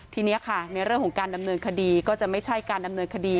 ทีนี้ค่ะในเรื่องของการดำเนินคดีก็จะไม่ใช่การดำเนินคดี